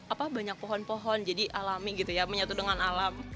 apa banyak pohon pohon jadi alami gitu ya menyatu dengan alam